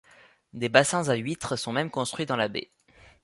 Des bassins à huîtres sont même construits dans la baie.